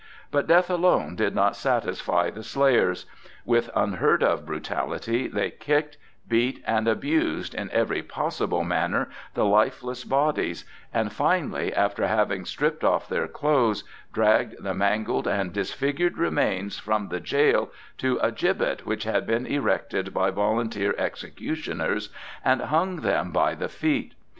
But death alone did not satisfy the slayers. With unheard of brutality they kicked, beat and abused, in every possible manner, the lifeless bodies, and finally, after having stripped off their clothes, dragged the mangled and disfigured remains from the jail to a gibbet which had been erected by volunteer executioners, and hung them by the feet.